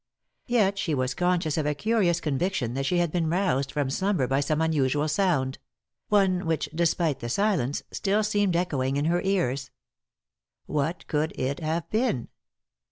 Yet she was conscious of a curious conviction that she had beea roused from slumber by some unusual sound ; one which, despite the silence, still seemed echoing in her ears. What could it have been